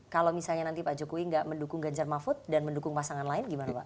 kalau misalnya nanti pak jokowi nggak mendukung ganjar mahfud dan mendukung pasangan lain gimana pak